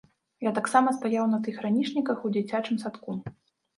Я таксама стаяў на тых ранішніках у дзіцячым садку.